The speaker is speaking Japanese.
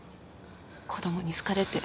子供に好かれて。